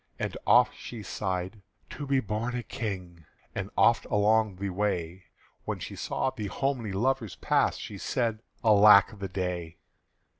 And oft she sighed, "To be born a King!" And oft along the way When she saw the homely lovers pass She has said, "Alack the day!"